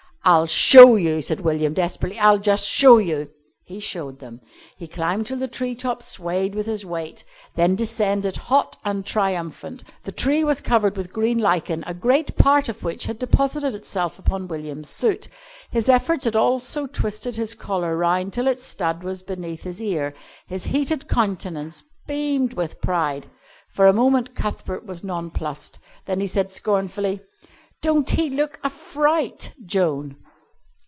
"I'll show you," said William desperately. "I'll just show you." He showed them. He climbed till the tree top swayed with his weight, then descended, hot and triumphant. The tree was covered with green lichen, a great part of which had deposited itself upon William's suit. His efforts also had twisted his collar round till its stud was beneath his ear. His heated countenance beamed with pride. For a moment Cuthbert was nonplussed. Then he said scornfully: "Don't he look a fright, Joan?"